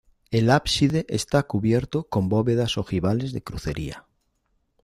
El ábside está cubierto con bóvedas ojivales de crucería.